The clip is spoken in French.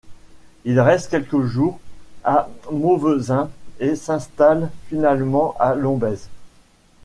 Ils restent quelques jours à Mauvezin et s’installent finalement à Lombez.